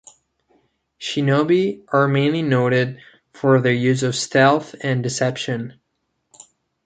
"Shinobi" are mainly noted for their use of stealth and deception.